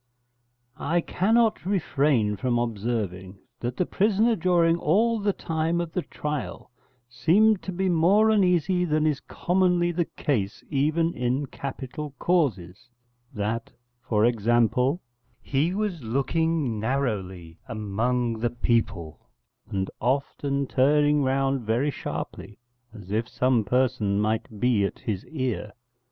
I cannot refrain from observing that the prisoner during all the time of the trial seemed to be more uneasy than is commonly the case even in capital causes: that, for example, he was looking narrowly among the people and often turning round very sharply, as if some person might be at his ear.